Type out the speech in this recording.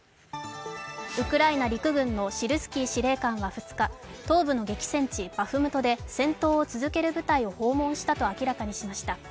ウクライナ陸軍のシルスキー司令官は２日、東部の激戦地・バフムトで戦闘を続ける部隊を訪問したと明らかにしました。